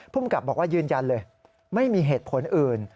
ภูมิกับบอกว่ายืนยันเลยไม่มีเหตุผลอื่น